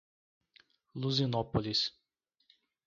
Luzinópolis